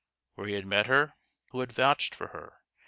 where he had met her ? who had vouched for her